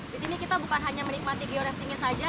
di sini kita bukan hanya menikmati georestingnya saja